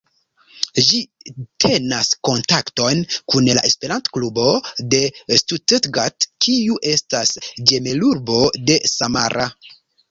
Ĝi tenas kontaktojn kun la esperanto-klubo de Stuttgart, kiu estas ĝemelurbo de Samara.